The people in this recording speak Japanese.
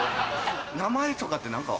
名前とかって何か。